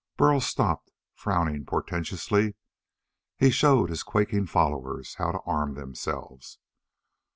Burl stopped, frowning portentously. He showed his quaking followers how to arm themselves.